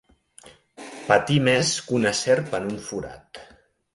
Patir més que una serp en un forat.